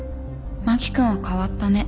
真木君は変わったね。